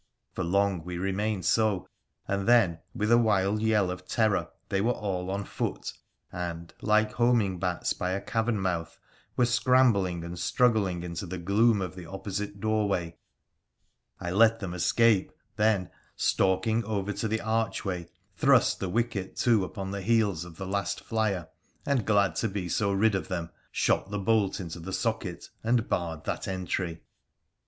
For long we remained so, and then, with a wild yell of terror they were all on foot, and, like homing bats by a cavern mouth, were scrambling and struggling into the gloom of the opposite doorway. I let them escape, then, stalking over to the archway, thrust the wicket to upon the heels of the last flyer, and glad to be so rid of them, shot the bolt into the socket and barred that entry.